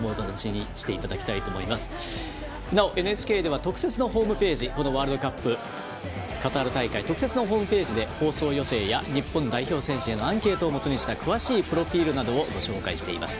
ＮＨＫでは特設のホームページ、ワールドカップカタール大会特設のホームページで放送予定や日本代表選手へのアンケートをもとにした詳しいプロフィールなどもご紹介しています。